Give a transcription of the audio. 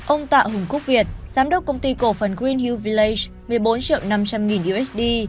ông tạ hùng quốc việt giám đốc công ty cổ phần green huviace một mươi bốn triệu năm trăm linh nghìn usd